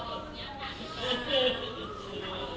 เมื่อเวลาเมื่อเวลา